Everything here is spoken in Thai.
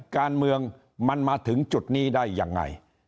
การเมืองมันมาถึงจุดนี้ได้ยังไง